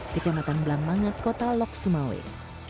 kecamatan blambangat kota lok sumawik